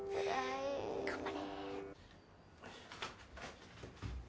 頑張れ。